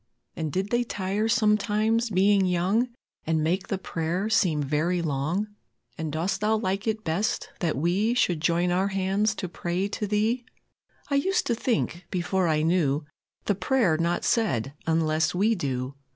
And did they tire sometimes, being young, And make the prayer seem very long? And dost Thou like it best, that we Should join our hands to pray to Thee? I used to think, before I knew, The prayer not said unless we do.